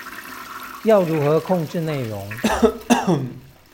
要如何控制内容